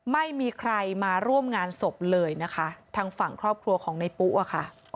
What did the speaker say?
ไม่มีใครมาร่วมงานศพเลยนะคะทางฝั่งครอบครัวของในปุ๊อะค่ะ